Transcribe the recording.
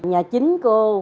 nhà chính cô